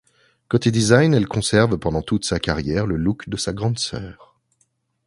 Côté design, elle conserve, pendant toute sa carrière, le look de sa grande sœur.